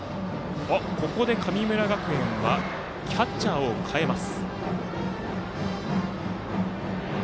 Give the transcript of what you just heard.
ここで神村学園はキャッチャーを代えます。